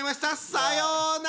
さようなら！